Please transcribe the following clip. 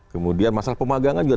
kemudian masalah pemagangan juga